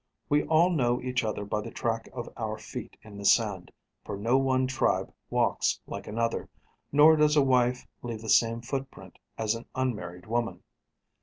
We all know each other by the track of our feet in the sand, for no one tribe walks like another, nor does a wife leave the same footprint as an unmarried woman.